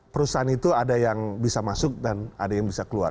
perusahaan itu ada yang bisa masuk dan ada yang bisa keluar